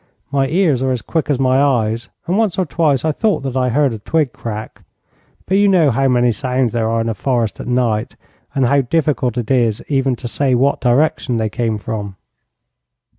My ears are as quick as my eyes, and once or twice I thought that I heard a twig crack; but you know how many sounds there are in a forest at night, and how difficult it is even to say what direction they come from.